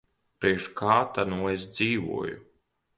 Priekš kā ta nu es dzīvoju.